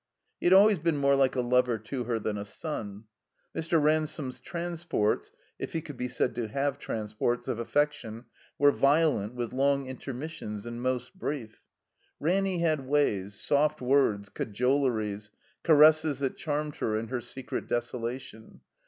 He had always been more like a lover to her than a son. Mr. Ransome's transports (if he could be said to have transports) of affection were violent, with long intermissions and most brief. Ranny had ways, soft words, cajoleries, caresses that charmed her in her secret desolation.